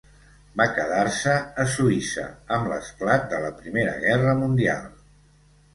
Va quedar-se a Suïssa amb l'esclat de la Primera Guerra Mundial.